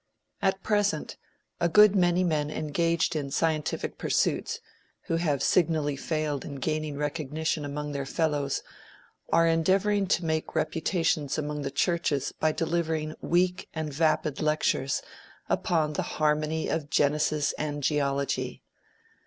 At present, a good many men engaged in scientific pursuits, and who have signally failed in gaining recognition among their fellows, are endeavoring to make reputations among the churches by delivering weak and vapid lectures upon the "harmony of Genesis and Geology."